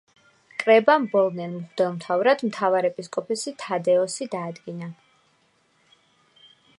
კრებამ ბოლნელ მღვდელმთავრად მთავარეპისკოპოსი თადეოზი დაადგინა.